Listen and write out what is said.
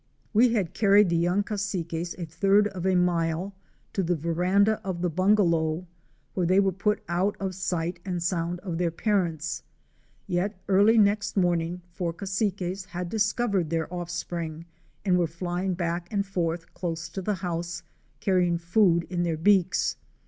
We had carried the young Cassiques a third of a mile to the veranda of the bungalow, where they were put out of sight and sound of their parents; yet early next morning four Cassiques had discovered their offspring and were flying back and forth close to the house carrying food in their beaks.